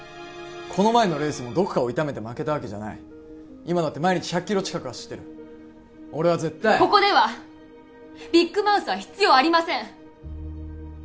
この前のレースもどこかを痛めて負けたわけじゃない今だって毎日１００キロ近く走ってる俺は絶対ここではビッグマウスは必要ありません